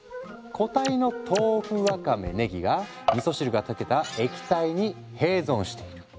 固体の豆腐わかめねぎがみそ汁が溶けた液体に併存している。